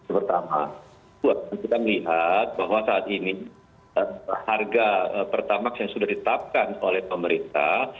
pertama kita melihat bahwa saat ini harga pertamax yang sudah ditetapkan oleh pemerintah